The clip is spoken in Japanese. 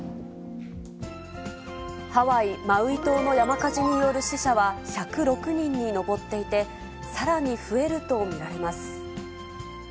ハワイ・マウイ島の山火事による死者は１０６人に上っていて、さらに増えると見られます。